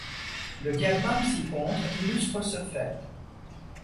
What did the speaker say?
Le diagramme ci-contre illustre ce fait.